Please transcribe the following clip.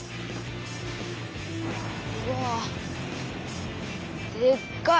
うわでっかい。